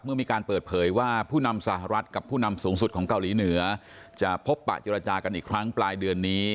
เมื่อมีการเปิดเผยว่าผู้นำสหรัฐกับผู้นำสูงสุดของเกาหลีเหนือจะพบปะเจรจากันอีกครั้งปลายเดือนนี้